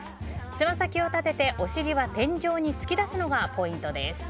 つま先を立てて、お尻は天井に突き出すのがポイントです。